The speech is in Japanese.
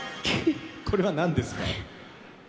これはなんですか？